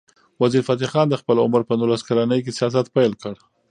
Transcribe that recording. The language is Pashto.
وزیرفتح خان د خپل عمر په نولس کلنۍ کې سیاست پیل کړ.